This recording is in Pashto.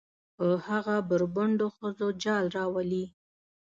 په هغه بربنډو ښځو جال روالي.